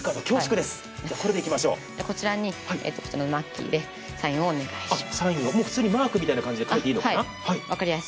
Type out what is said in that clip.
こちらにマッキーでサインをお願いします。